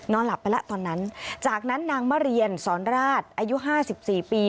นอนหลับไปแล้วตอนนั้นจากนั้นนางมาเรียนสอนราชอายุ๕๔ปี